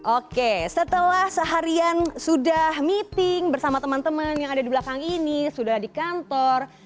oke setelah seharian sudah meeting bersama teman teman yang ada di belakang ini sudah di kantor